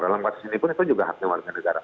dalam kasus ini pun itu juga haknya warga negara